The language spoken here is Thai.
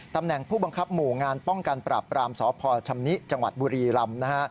ตำแหน่งผู้บังคับหมู่งานป้องกันปราบปรามสพชำนิจังหวัดบุรีรำนะฮะ